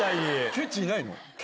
ケチいないの？